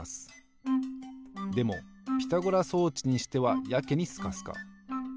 でもピタゴラ装置にしてはやけにスカスカ。